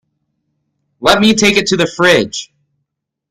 Let me take it to the fridge!